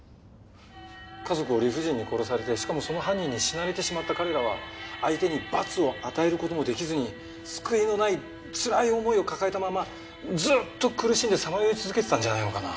家族を理不尽に殺されてしかもその犯人に死なれてしまった彼らは相手に罰を与える事もできずに救いのないつらい思いを抱えたままずっと苦しんでさまよい続けてたんじゃないのかな。